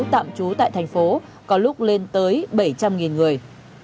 tạm trú tại thành phố có lúc lên tới bảy trăm linh người